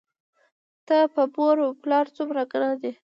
ته په مور و پلار څومره ګران یې؟!